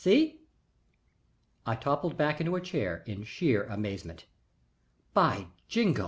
See?" I toppled back into a chair in sheer amazement. "By Jingo!